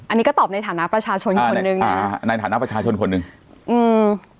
อันนี้ก็ตอบในฐานะประชาชนคนหนึ่งอ่าในฐานะประชาชนคนหนึ่งอืม